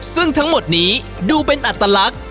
ซึ่งทั้งหมดนี้ดูเป็นอัตลักษณ์